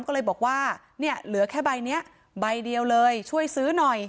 ก็เลยบอกว่าเนี่ยเหลือแค่ใบเนี้ยใบเดียวเลยช่วยซื้อหน่อย